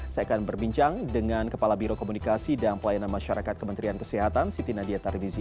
saya akan berbincang dengan kepala biro komunikasi dan pelayanan masyarakat kementerian kesehatan siti nadia taridizi